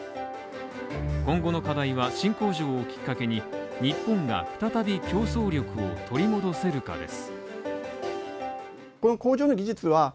今後の課題は新工場をきっかけに日本が再び競争力を取り戻せるかです。